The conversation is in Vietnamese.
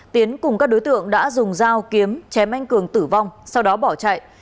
tiến cùng các đối tượng đã dùng dao kiếm chém anh cường tử vong sau đó bỏ chạy